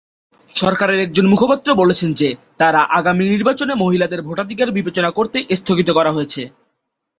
সরকারের একজন মুখপাত্র বলেছেন যে, তারা আগামী নির্বাচনে মহিলাদের ভোটাধিকার বিবেচনা করতে স্থগিত করা হয়েছে।